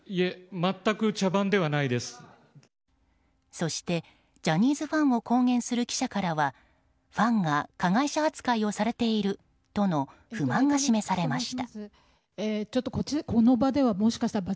そしてジャニーズファンを公言する記者からはファンが加害者扱いをされているとの不満が示されました。